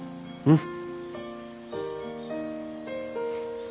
うん。